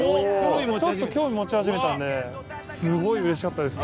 ちょっと興味持ち始めたんですごいうれしかったですね。